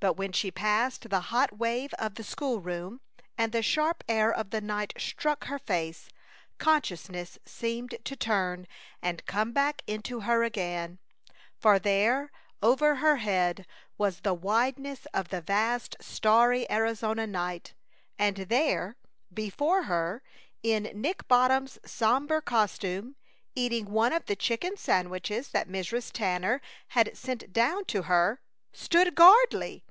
But when she passed the hot wave of the school room, and the sharp air of the night struck her face, consciousness seemed to turn and come back into her again; for there over her head was the wideness of the vast, starry Arizona night, and there, before her, in Nick Bottom's somber costume, eating one of the chicken sandwiches that Mrs. Tanner had sent down to her, stood Gardley!